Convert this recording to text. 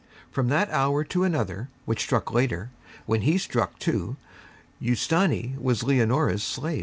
From that hour to another which struck later, when he struck too, Ustâni was Leonora's slave.